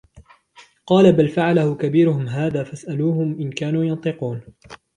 قال بل فعله كبيرهم هذا فاسألوهم إن كانوا ينطقون